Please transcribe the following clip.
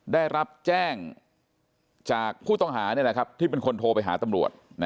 ได้รับแจ้งจากผู้ต้องหานี่แหละครับที่เป็นคนโทรไปหาตำรวจ